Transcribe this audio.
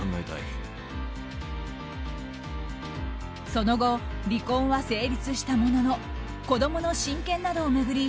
その後、離婚は成立したものの子供の親権などを巡り